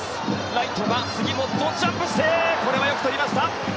ライトは杉本、ジャンプしてこれはよくとりました。